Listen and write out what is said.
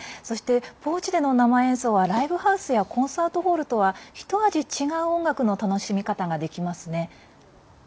ポーチでの生演奏はライブハウスやコンサートホールとは一味違う音楽の楽しみ方ができますね。